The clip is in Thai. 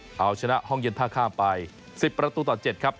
เอาชนะห้องเย็นท่าข้ามไป๑๐ประตูต่อ๗ครับ